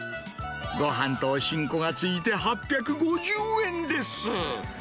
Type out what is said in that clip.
ごはんとお新香がついて８５０円です。